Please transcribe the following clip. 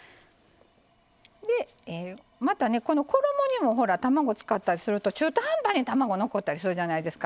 でまたねこの衣にもほら卵使ったりすると中途半端に卵残ったりするじゃないですか。